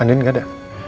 andi andi gaada